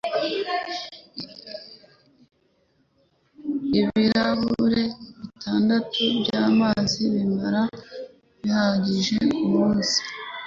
Ibirahure bitandatu byamazi bibaba bihagije ku munsi